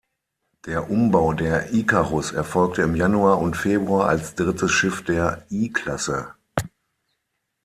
Der Umbau der "Icarus" erfolgte im Januar und Februar als drittes Schiff der I-Klasse.